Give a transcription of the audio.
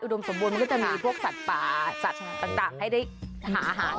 สมบูรณมันก็จะมีพวกสัตว์ป่าสัตว์ต่างให้ได้หาอาหาร